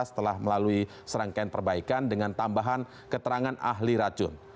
setelah melalui serangkaian perbaikan dengan tambahan keterangan ahli racun